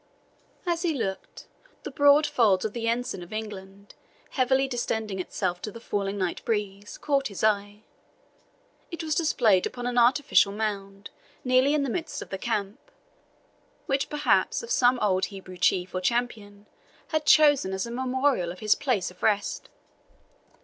As he looked, the broad folds of the ensign of England, heavily distending itself to the failing night breeze, caught his eye. It was displayed upon an artificial mound, nearly in the midst of the camp, which perhaps of old some Hebrew chief or champion had chosen as a memorial of his place of rest.